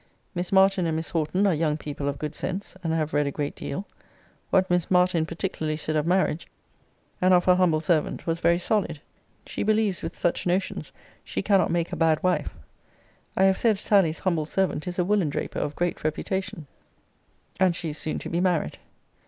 'Miss Martin and Miss Horton are young people of good sense, and have read a great deal. What Miss Martin particularly said of marriage, and of her humble servant, was very solid. She believes with such notions she cannot make a bad wife.' I have said Sally's humble servant is a woolen draper of great reputation; and she is soon to be married.